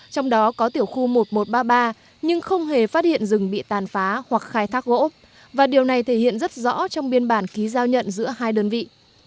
trong đó có tiểu khu một nghìn một trăm ba mươi ba nhưng không hề phát hiện rừng bị tàn phá hoặc khai thác gỗ và điều này thể hiện rất rõ trong biên bản ký giao nhận giữa hai đơn vị